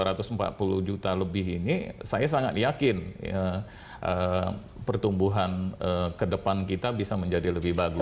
kalau kita bisa menggunakan konsumsi dari dua ratus empat puluh juta lebih ini saya sangat yakin pertumbuhan ke depan kita bisa menjadi lebih bagus